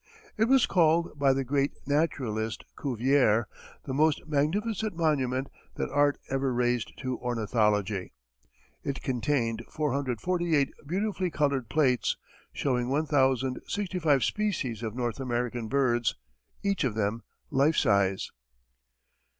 It was called by the great naturalist, Cuvier, "the most magnificent monument that art ever raised to ornithology." It contained 448 beautifully colored plates, showing 1065 species of North American birds, each of them life size.